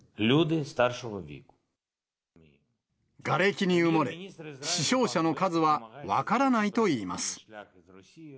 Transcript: がれきに埋もれ、死傷者の数は分からないといいます。